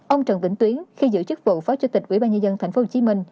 ông trần vĩnh tuyến khi giữ chức vụ phó chủ tịch ủy ban nhân dân tp hcm